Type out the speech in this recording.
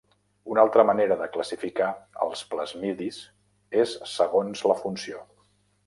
Una altra manera de classificar els plasmidis és segons la funció.